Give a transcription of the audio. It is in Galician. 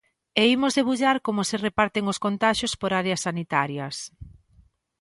E imos debullar como se reparten os contaxios por áreas sanitarias.